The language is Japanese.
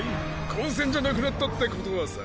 混戦じゃなくなったってことはさ